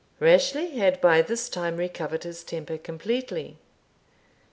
Rashleigh had by this time recovered his temper completely.